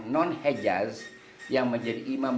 non hejas yang menjadi imam